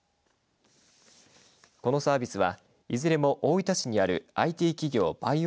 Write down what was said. このサービスはいずれも大分市にあるＩＴ企業ＢＩＯＩＳＭ